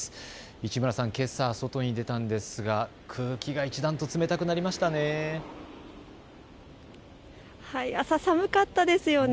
市村さん、けさ外に出たんですが空気が一段と冷たくなりましたね。